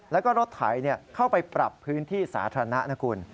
แล้วก็รถไถเข้าไปปรับพื้นที่สาธารณะนะคุณ